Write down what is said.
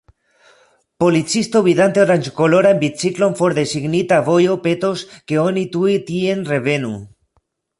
Policisto, vidante oranĝkoloran biciklon for de signita vojo, petos, ke oni tuj tien revenu.